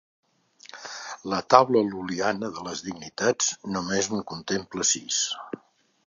La taula lul·liana de les dignitats només en contempla sis.